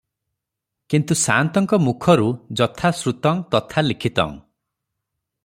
କିନ୍ତୁ ସାଆନ୍ତଙ୍କ ମୁଖରୁ 'ଯଥା ଶ୍ରୁତଂ ତଥା ଲିଖିତଂ' ।